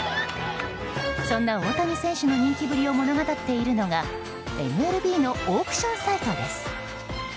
そんな大谷選手の人気ぶりを物語っているのがＭＬＢのオークションサイトです。